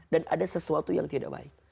dan ada sesuatu yang tidak baik